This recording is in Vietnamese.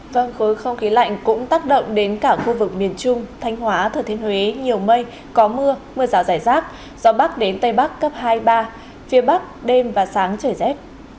vâng khối không khí lạnh cũng tác động đến cả khu vực miền trung thanh hóa thừa thiên huế nhiều mây có mưa mưa rào rải rác gió bắc đến tây bắc cấp hai mươi ba phía bắc đêm và sáng trời rét